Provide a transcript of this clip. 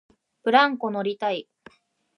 ブランコ乗りたい